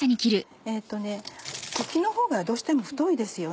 茎のほうがどうしても太いですよね。